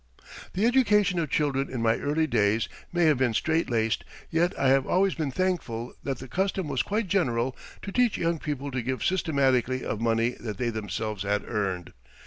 The education of children in my early days may have been straightlaced, yet I have always been thankful that the custom was quite general to teach young people to give systematically of money that they themselves had earned.